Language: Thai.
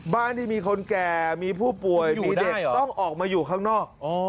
บ้านที่มีคนแก่มีผู้ป่วยมีเด็กต้องออกมาอยู่ข้างนอก